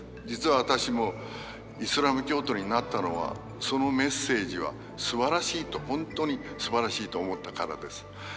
実は私もイスラム教徒になったのはそのメッセージはすばらしいと本当にすばらしいと思ったからです。